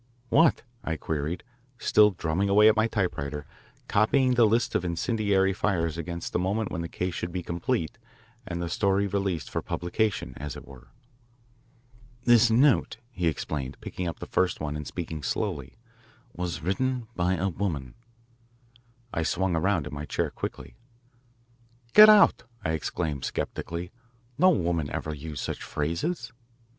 "What?" I queried, still drumming away at my typewriter, copying the list of incendiary fires against the moment when the case should be complete and the story released for publication, as it were. "This note," he explained, picking up the first one and speaking slowly, "was written by a woman." I swung around in my chair quickly. "Get out!" I exclaimed sceptically. "No woman ever used such phrases.